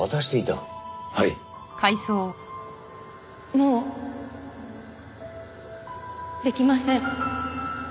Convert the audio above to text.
もうできません。